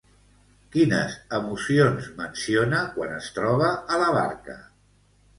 Quines emocions menciona quan es troba a la barca?